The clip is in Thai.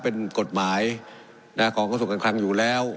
เป็นกฎหมายของกระทรวงการคลังอยู่แล้ว